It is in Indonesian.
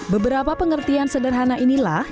beberapa pengertian sederhana inilah